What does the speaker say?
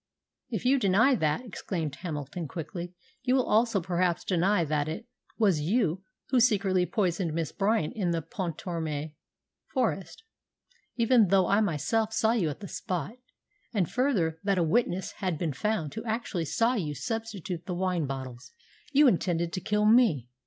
"If you deny that," exclaimed Hamilton quickly, "you will perhaps also deny that it was you who secretly poisoned Miss Bryant in the Pontarmé Forest, even though I myself saw you at the spot; and, further, that a witness has been found who actually saw you substitute the wine bottles. You intended to kill me!"